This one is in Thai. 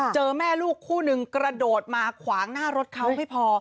เจอแม่ลูกคู่นึงกระโดดมาขวางหน้ารถเขาไม่พอ